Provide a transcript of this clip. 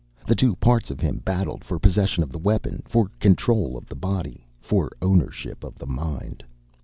The two parts of him battled for possession of the weapon, for control of the body, for ownership of the mind.